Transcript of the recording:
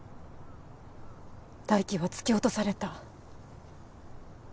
泰生は突き落とされた。